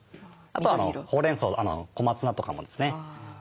あとほうれんそう小松菜とかもですね。